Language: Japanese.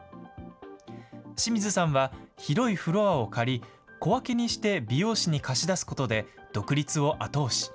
清水さんは、広いフロアを借り、小分けにして美容師に貸し出すことで、独立を後押し。